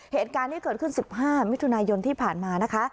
เหตุการณ์ที่เกิดขึ้น๑๕มิถุนายนที่ผ่านมานะคะ